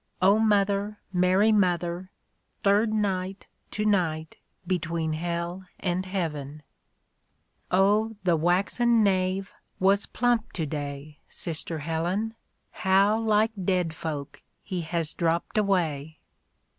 (0 Mother, Mary Mother, Third night, to night, between Hell and Heaven!) ... A DAY WITH ROSSETTL *'Oh the waxen knave was plump to day, Sister Helen ; How like dead folk he has dropped away